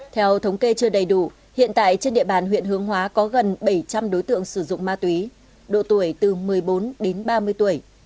theo thống kê chưa đầy đủ hiện tại trên địa bàn huyện hướng hóa có gần bảy trăm linh đối tượng sử dụng ma túy độ tuổi từ một mươi bốn đến ba mươi tuổi